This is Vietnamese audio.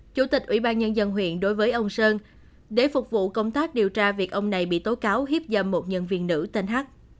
chủ tịch ủy ban nhân dân huyện đối với ông sơn để phục vụ công tác điều tra việc ông này bị tố cáo hiếp dâm một nhân viên nữ tên hát